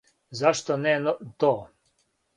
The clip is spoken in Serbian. Зашто не то?